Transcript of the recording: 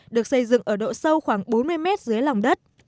được xây dựng ở độ sâu khoảng bốn mươi mét dưới lòng đất